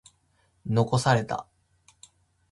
残された。